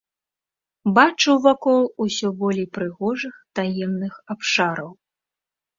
Бачыў вакол усё болей прыгожых, таемных абшараў.